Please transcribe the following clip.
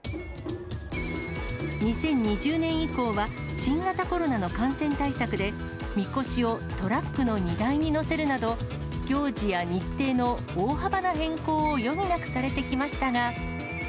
２０２０年以降は、新型コロナの感染対策で、みこしをトラックの荷台に載せるなど、行事や日程の大幅な変更を余儀なくされてきましたが。